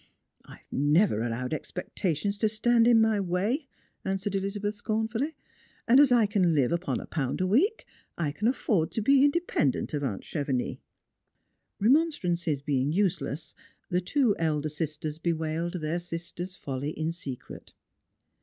" I have never allowed expectations to stand in my way," answered Elizabeth scornfully ;" and as I can live upon a pound a week, I can afford to be independent of aunt Chevenix." Remonstrance being useless, the two elder sisters bewailed their sister's folly in secret.